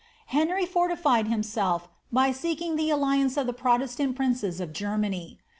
Henry fortified himself by seeking the alliance of the Protestant princes of Germany.